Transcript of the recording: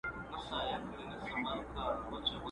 آسمانه ما خو داسي نه غوښتله؛